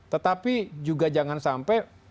tetapi juga jangan sampai